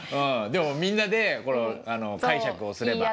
でもみんなで解釈をすれば。